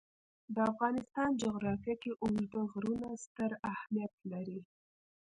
د افغانستان جغرافیه کې اوږده غرونه ستر اهمیت لري.